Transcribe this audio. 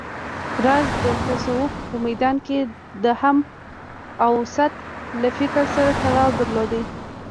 راز د تصوف په ميدان کې د همه اوست له فکر سره تړاو درلود